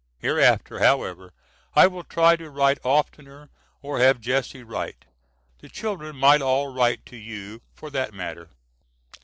Hereafter, however, I will try to write oftener or have Jesse write. The children might all write to you for that matter.